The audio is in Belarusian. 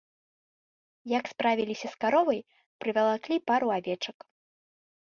Як справіліся з каровай, прывалаклі пару авечак.